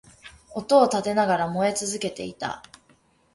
音を立てながら燃え続けていた